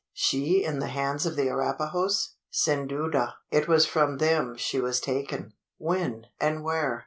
She in the hands of the Arapahoes?" "Sin duda; it was from them she was taken." "When, and where?